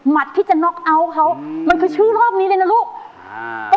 ที่จะน็อกเอาท์เขามันคือชื่อรอบนี้เลยนะลูกอ่า